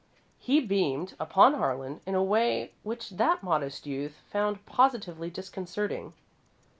He beamed upon Harlan in a way which that modest youth found positively disconcerting.